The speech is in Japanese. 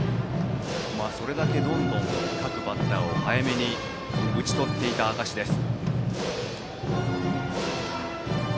それだけ、どんどん各バッターを早めに打ち取っていた証しです。